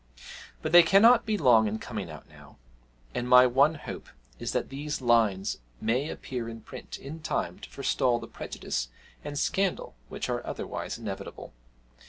But they cannot be long in coming out now; and my one hope is that these lines may appear in print in time to forestall the prejudice and scandal which are otherwise inevitable.